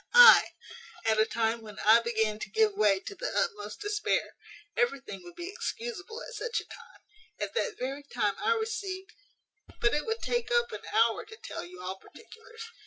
I at a time when I began to give way to the utmost despair everything would be excusable at such a time at that very time I received But it would take up an hour to tell you all particulars.